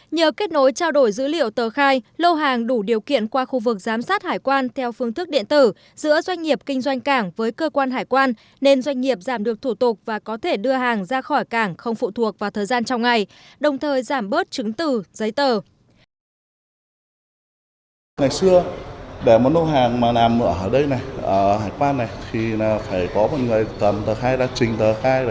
nhờ kết nối trao đổi dữ liệu tờ khai lô hàng đủ điều kiện qua khu vực giám sát hải quan theo phương thức điện tử giữa doanh nghiệp kinh doanh cảng với cơ quan hải quan nên doanh nghiệp giảm được thủ tục và có thể đưa hàng ra khỏi cảng không phụ thuộc vào thời gian trong ngày đồng thời giảm bớt chứng từ giấy tờ